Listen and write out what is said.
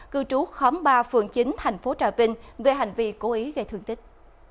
cư trú khóm ba phường chín tp hcm về hành vi cố ý gây thương tích